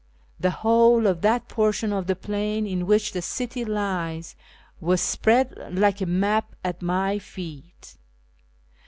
The whole of that portion of the plain in which the city lies was spread like a map at my feet.